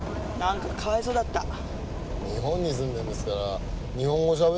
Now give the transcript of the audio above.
日本に住んでるんですから日本語しゃべってほしいですよね。